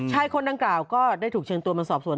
คนดังกล่าวก็ได้ถูกเชิญตัวมาสอบสวน